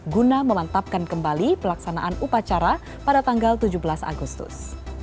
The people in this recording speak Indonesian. guna melantapkan kembali pelaksanaan upacara pada tanggal tujuh belas agustus